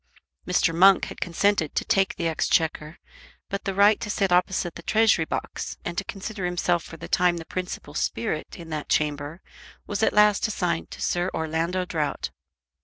Mr. Monk had consented to take the Exchequer, but the right to sit opposite to the Treasury Box and to consider himself for the time the principal spirit in that chamber was at last assigned to Sir Orlando Drought.